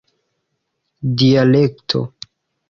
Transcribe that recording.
dialekto